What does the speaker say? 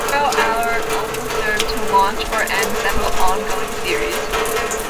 "Zero Hour" also served to launch or end several ongoing series.